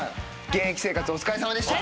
現役生活お疲れさまでした。